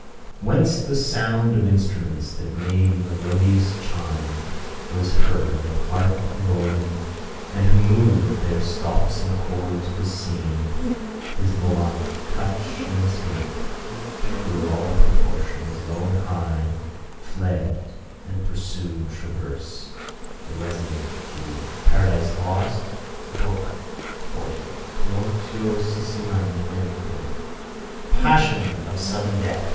"Whence the sound Of instruments, that made melodious chime, Was heard, of harp and organ; and who mov'd Their stops and chords, was seen; his volant touch Instinct through all proportions, low and high, Fled and pursued transverse the resonant fugue." Par. Lost, B. XL Tumultuosissimamente. Passion of Sudden Death!